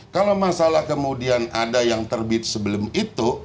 kalau masalah kemudian ada yang terbit sebelum itu